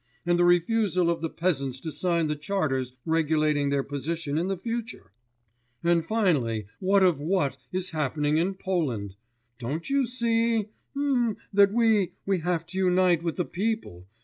And the refusal of the peasants to sign the charters regulating their position in the future? And finally, what of what is happening in Poland? Don't you see that ... mmm ... that we ... we have to unite with the people